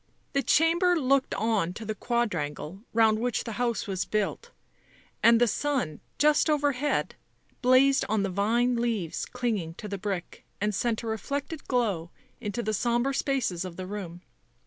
The chamber looked on to the quadrangle round which the house was built ; and the sun, just overhead, blazed on the vine leaves clinging to the brick and sent a reflected glow into the sombre spaces of the room.